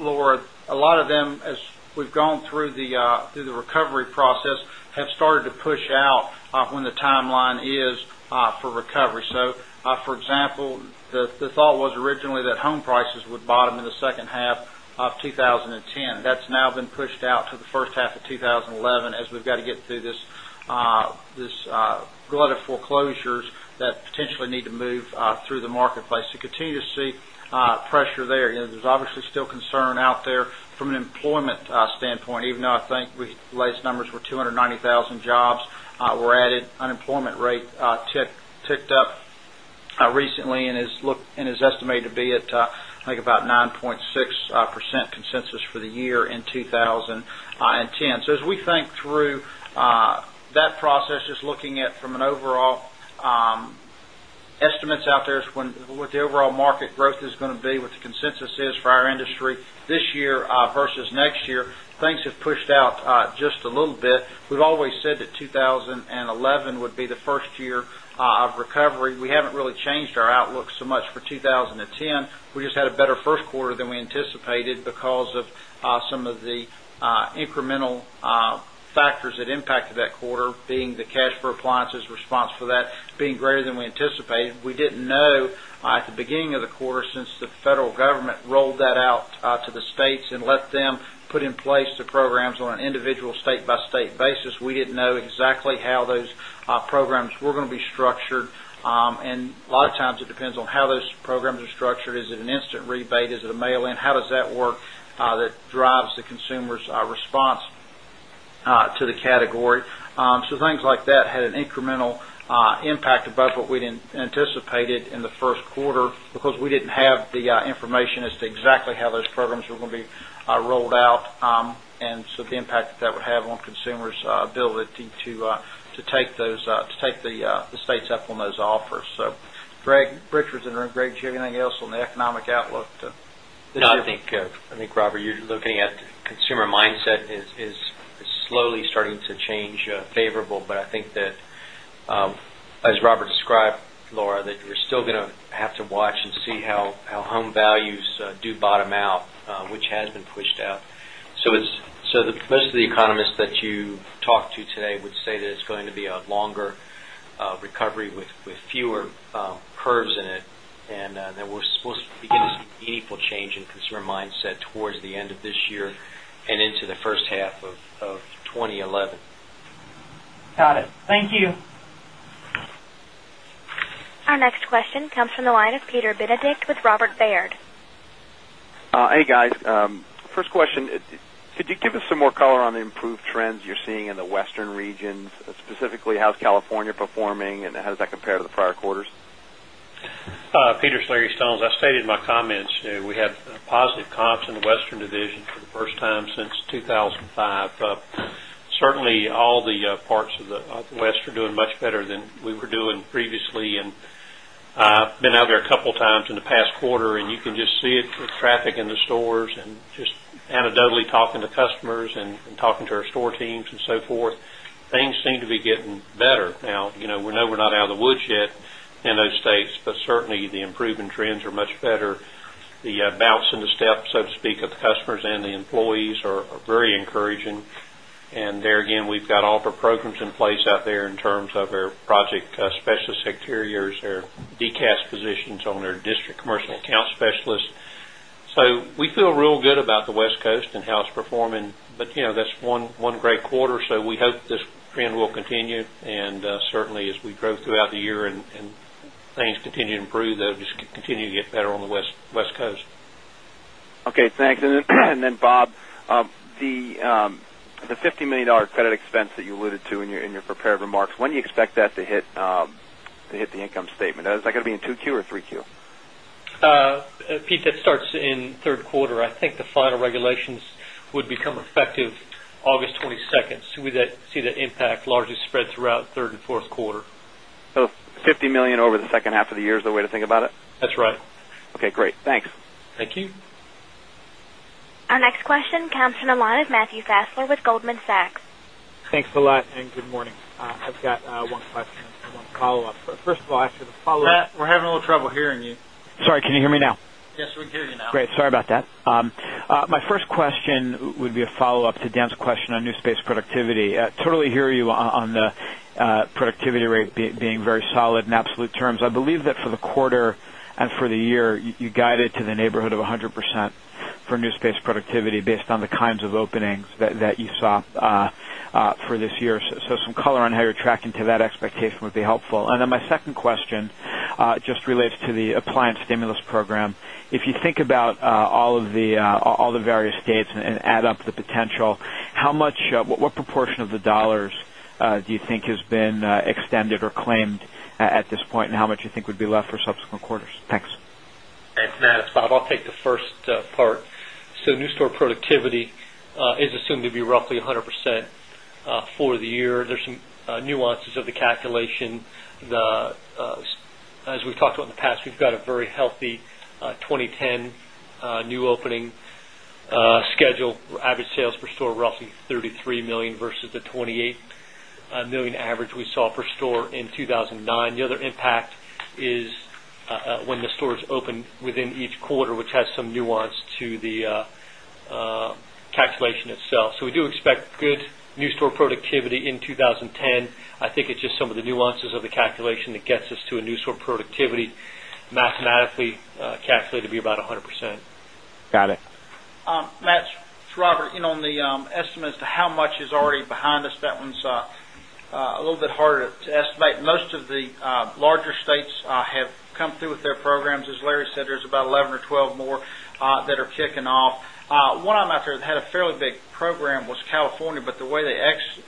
Laura, a lot of them as we've gone through the recovery process have started to push out when the timeline is for recovery. So, for move through the marketplace. We continue to see pressure there. There's obviously still concern out there from an employment standpoint, even though I think the latest numbers were 290,000 jobs were added, unemployment rate ticked up recently and is estimated to be at, I think, about 9.6% consensus for the year in 2010. So as we think through that process, just looking at from an overall estimates out there is when what the overall market growth is going to be, what the consensus is for our industry this year versus next year, things have pushed out just a little bit. We've always said that 2011 would be the 1st year of recovery. We haven't really changed our outlook so much for 2010. We just had a better Q1 than we anticipated because of some of the incremental factors that impacted that quarter being the cash flow appliances response for that being greater than we anticipated. We didn't know at the beginning of the quarter since the federal government rolled that out to the states and let them put in place the programs on an individual state by state basis. We didn't know exactly how those programs were going to be structured. And a lot of times, it depends on how those programs are structured. Is it an instant rebate? Is it a mail in? How does that work that drives the consumers' response to the category. So things like that had an incremental impact above what we didn't anticipated in the Q1 because we didn't have the information as to exactly how those programs are going to be rolled out. And so, the impact that would have on consumers ability to take those to take the states up on those offers. So, Greg, Richard's and Greg, do you have anything else on the economic outlook to No, I think, Robert, you're looking at consumer mindset is slowly starting to change favorable, but I think that as Robert described, Laura, that we're still going to have to watch and see how home values do bottom out, which has been pushed out. So, most of economists that you talk to today would say that it's going to be a longer recovery with fewer curves in it and that we're supposed to begin to see meaningful change in consumer mindset towards the end of this year and into the first half of twenty eleven. Got it. Thank you. Our next question comes from the line of Peter Benedict with Robert Baird. Hey, guys. First question, could you give us some more color on the improved trends you're seeing in the Western regions, specifically how is California performing and how does that compare to the prior quarters? Peter, it's Larry Stoner. As I stated in my comments, we had positive comps in the Western division for the first time since 2,005. Certainly, all the parts of the West are doing much better than we were doing previously and been out there a couple of times in the past quarter and you can just see it with traffic in the stores and just anecdotally talking to customers and talking to our store teams and so forth. Things seem to be getting better. Now, we know we're not out of the woods yet in those states, but improvement trends are much better. The bounce in the step, so to speak, of the customers and the employees are very encouraging. And there again, we've got all the programs in place out there in terms of our project specialist interiors, their de cast positions on their district commercial account specialists. So, we feel real good about the West Coast and how it's performing, but that's one great quarter. So, we hope this trend will continue and certainly as we grow throughout the year and things continue to improve, they'll just continue to get better on the West Coast. Okay, thanks. And then Bob, the $50,000,000 credit expense that you alluded to in your prepared remarks, when do you expect that to hit the income statement? Is that going to be in 2Q or 3Q? Pete, that starts in Q3. I think the final regulations would become effective August 22. So we see that impact largely spread throughout 3rd Q4. So, dollars 50,000,000 over the second half of the year is the way to think about it? That's right. Okay, great. Thanks. Thank you. Our next Our next question comes from the line of Matthew Fassler with Goldman Sachs. I've got one question and one follow-up. First of all, I should follow-up. Matt, we're having a little trouble hearing you. Sorry, can you hear me now? Yes, we can hear you now. Great, sorry about that. My first question would be a follow-up to Dan's question on new space productivity. Totally hear you on the productivity rate being very solid in absolute terms. I believe that for the quarter for the year, you guided to the neighborhood of 100 percent for new space productivity based on the kinds of openings that you saw for this year. So some color on how you're tracking to that expectation would be helpful. And then my second question just relates to the appliance stimulus program. If you think about all of the various states and add up the potential, how much what proportion of the dollars do you think has been extended or claimed at this point? And how much you think would be left for subsequent quarters? Thanks. Thanks, Matt. It's Bob. I'll take the first part. So new store productivity is assumed to be roughly 100% for the year. There's some nuances of the calculation. As we've talked about in the past, we've got a very healthy 2010 new opening schedule, average sales per store roughly $33,000,000 versus the $28,000,000 average we saw per store in 2 1009. The other impact is when the stores open within each quarter, which has some nuance to the calculation itself. So we do expect good new store productivity in 2010. I think it's just some of the nuances of the calculation that gets us to a new store productivity mathematically calculated to be about 100%. Got it. Matt, it's Robert. On the estimates to how much is already behind us, that one's a little bit harder to estimate. Most of the larger states have come through with their programs. As Larry said, there's about 11 or 12 more that are kicking off. One of them out there that had a fairly big program was California, but the way they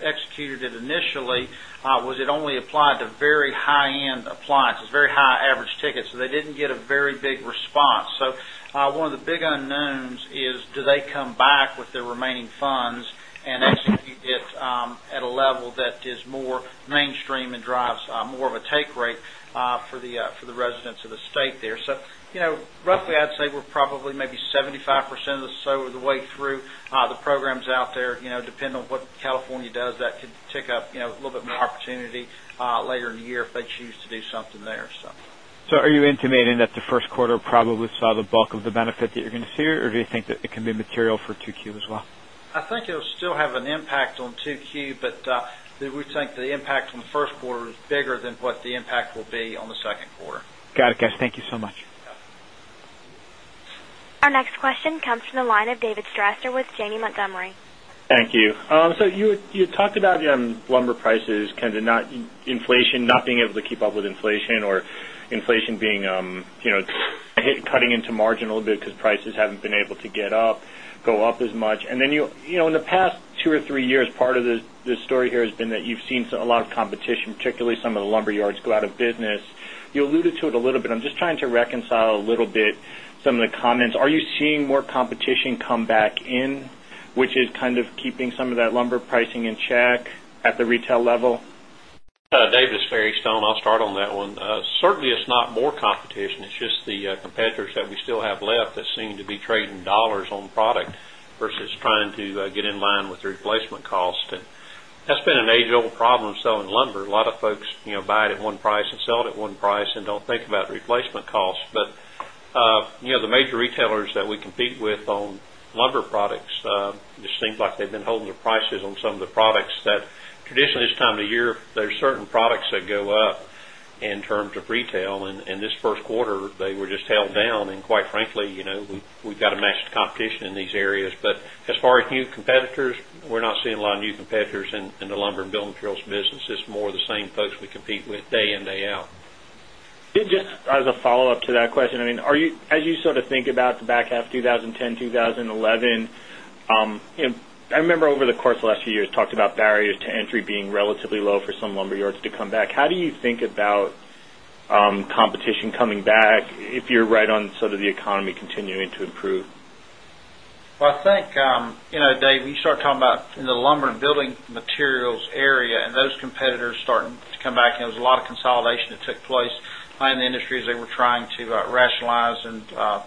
executed it initially was it only applied to very high end it initially was it only applied to very high end appliances, very high average ticket. So they didn't get a very big response. So one of the big unknowns is do they come back with their remaining funds and execute it at a level that is more mainstream and drives more of a take rate for the residents of the state there. So roughly, I'd say we're probably maybe 75% or so of the way through the programs out there, depending on what California does that could tick up a little bit more opportunity later in the year if they choose to do something there. So, are you intimating that the Q1 probably saw the bulk of the benefit that you're going to see here? Or do you think that it can be material for 2Q as well? I think it will still have an impact on 2Q, but we think the impact on the Q1 is bigger than what the impact will be on the 2nd quarter. Got it, guys. Thank you so much. Our next question comes from the line of David Strasser with Janney Montgomery. Thank you. So you talked about lumber prices kind of not inflation, not being able to keep up with inflation or inflation being cutting into margin a little bit because prices haven't been able to get up, go up as much? And then in the past 2 or 3 years, part of the story here has been that you've seen a lot of competition, particularly some of the lumber yards go out of business. You alluded to it a little bit. I'm trying to reconcile a little bit some of the comments. Are you seeing more competition come back in, which is kind of keeping some of that lumber pricing in check at the retail level? David, it's Barry Stone. Start on that one. Certainly, it's not more competition. It's just the competitors that we still have left that seem to be trading dollars on product versus trying to get in line with replacement cost. That's been an age old problem selling lumber. A lot of folks buy it at one price and sell it at one price and don't think about replacement cost. But the major retailers that we compete with on lumber products just seems like they've been holding the prices on some of the products that this time of the year there are certain products that go up in terms of retail and in this Q1 they were just held down and quite frankly we've got a massive competition in these areas. But as far as new competitors, we're not seeing a lot of new competitors in the lumber and building drills business. It's more of the same folks we compete with day in, day out. Just as a follow-up to that question, I mean, are you as you sort of think about the back half twenty ten, twenty eleven, I remember over the course of last few years talked about barriers to entry being relatively low for some lumber yards to come back. How do you think about competition coming back if you're right on sort of the economy continuing to improve? Well, I think, Dave, when you start talking about in the lumber and building materials area and those competitors starting to come back, there was a lot of consolidation that took place in the industry as they were trying to rationalize and based on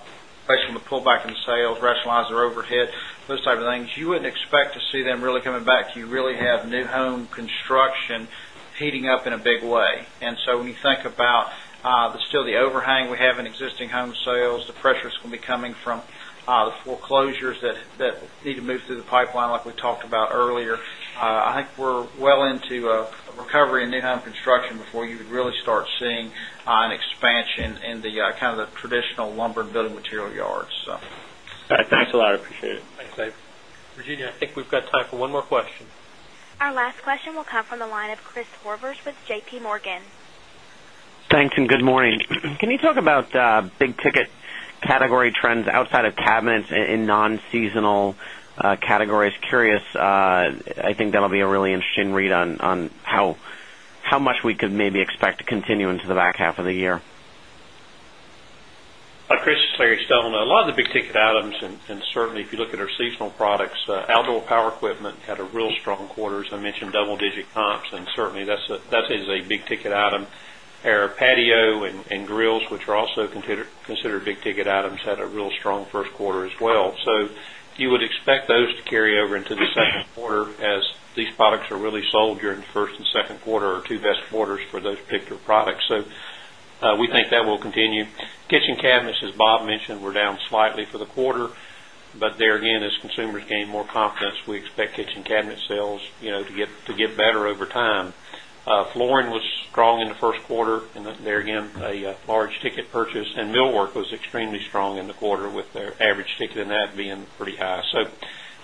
the pullback in sales, rationalize their overhead, those type of things, you wouldn't expect to see them really coming back. You really have new home construction heating up in a big way. And so, when you think about the still the overhang we have in existing home sales, the pressures will be coming from the foreclosures that need to move through the pipeline like we talked about earlier. I think we're well into recovery in new home construction before you would really start seeing an expansion in the kind of the traditional lumber and building material yards. Thanks a lot. I appreciate it. Thanks, Dave. Regina, I think we've got time for one more question. Our last question will come from the line of Chris Horvers with JPMorgan. Thanks and good morning. Can you talk about big ticket category trends outside of cabinets in non seasonal categories? Curious, I think that'll be a really interesting read on how much we could maybe expect to continue into the back half of the year? Chris, it's Harry Stellan. A lot of the big ticket items and certainly if you look at our seasonal products, outdoor power equipment had a real strong quarter as I mentioned double digit comps and certainly that is a big ticket item. Our patio and grills which are also considered big ticket items had a real strong Q1 as well. So you would expect those to carry over into the Q2 as these products are really sold during the 1st and second quarter or 2 best quarters for those particular products. So, we think that will continue. Kitchen cabinets, as Bob mentioned, were down slightly for the quarter, but there again as consumers gain more confidence, we expect kitchen cabinet sales to get better over time. Flooring was strong in the Q1 and there again a large ticket purchase and millwork was extremely strong in the quarter with their average ticket in that being pretty high. So,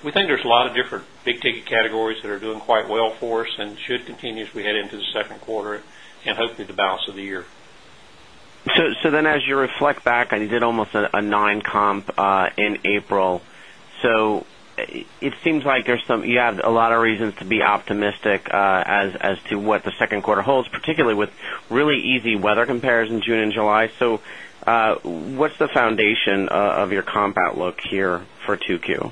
we think there's a lot of different big ticket categories that are doing quite well for us and should continue as we head into the Q2 and hopefully the balance of the year. So, then as you reflect back, I did almost a 9 comp in April. So, it seems like there's some you have a lot of reasons to be optimistic as like there's some you have a lot of reasons to be optimistic as to what the Q2 holds, particularly with really easy weather compares in June July. So what's the foundation of your comp outlook here for 2Q?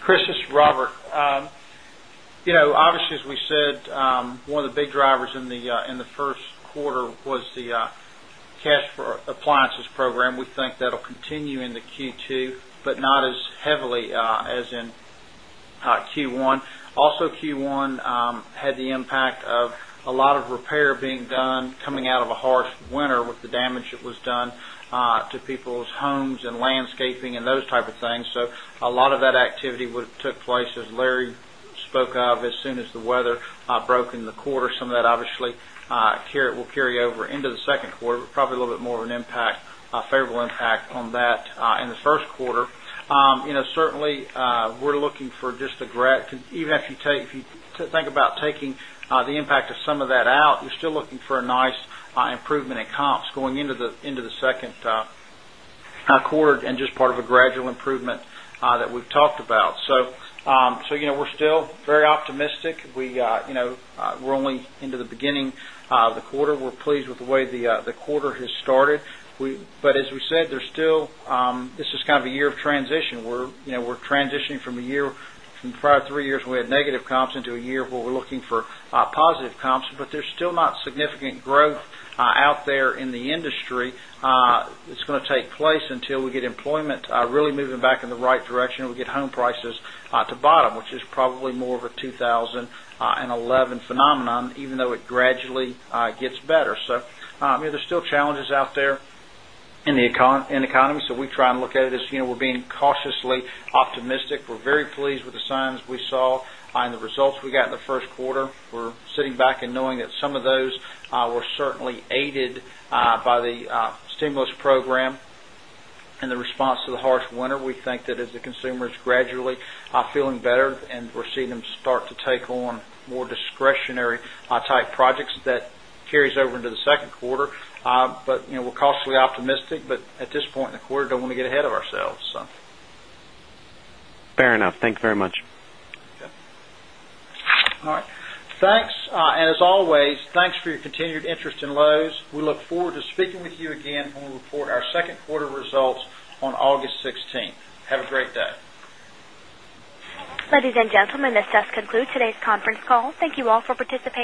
Chris, this is Robert. Obviously, as we said, one of the big drivers in the Q1 was the cash for appliances program. We think that will continue into Q2, but not as heavily as in will continue into Q2, but not as heavily as in Q1. Also Q1 had the impact of a lot of repair being done coming out of a harsh winter with the damage that was done to people's homes and landscaping and those type of things. So a lot of that activity would have took place, as Larry spoke of, as soon as the weather broke in the quarter. Some of that obviously will carry over into the 2nd quarter, probably a little bit more of an impact favorable impact on that in the Q1. Certainly, we're looking for just a great even if you take if you think about taking the impact of some of that out, you're still looking for a nice improvement in comps going into the second quarter and just part of a gradual improvement that we've talked about. So, we're still very optimistic. We're only in the beginning of the quarter. We're pleased with the way the quarter has started. But as we said, there's still this is kind of a year of transition. We're transitioning from a year from prior 3 years, we had negative comps into a year where looking for positive comps, but there's still not significant growth out there in the industry. It's going to take place until we get employment really moving back in the right direction. We get home prices to bottom, which is probably more of a 2011 phenomenon, even though it gradually gets better. So there's still challenges out there in the economy. So we try and look at it as we're being cautiously optimistic. We're very pleased with the signs we saw and the results we got in the Q1. We're sitting back and knowing that some of those were certainly aided by the stimulus program and the response to the harsh winter. We think that as the consumers gradually are feeling better and we're seeing them start to take on more discretionary type projects that carries over into the Q2. But we're cautiously optimistic, but at this point in the quarter, don't want to get ahead of ourselves. Fair enough. Thanks very much. All right. Thanks. And as always, thanks for your continued interest in Loews. We forward to speaking with you again when we report our Q2 results on August 16. Have a great day. Ladies and gentlemen, this does conclude today's conference call. Thank you all for participating.